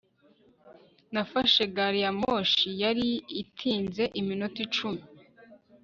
nafashe gari ya moshi, yari itinze iminota icumi